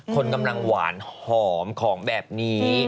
คนกำลังหวานหอมของแบบนี้